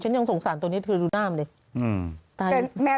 ยังสงสารตัวนี้เธอดูหน้ามันเลย